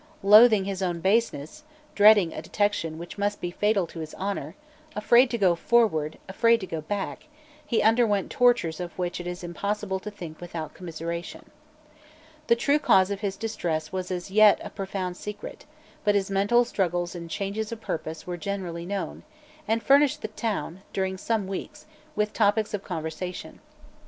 Loathing his own baseness, dreading a detection which must be fatal to his honour, afraid to go forward, afraid to go back, he underwent tortures of which it is impossible to think without commiseration. The true cause of his distress was as yet a profound secret; but his mental struggles and changes of purpose were generally known, and furnished the town, during some weeks, with topics of conversation.